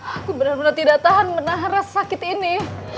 aku benar benar tidak tahan menahan rasa sakit ini